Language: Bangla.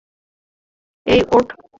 এই, ওঠ।